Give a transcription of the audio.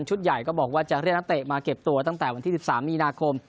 ใหญ่ก็บอกว่าจะเรียกนักเตะมาเก็บตัวตั้งแต่วันที่๑๓มีนาคม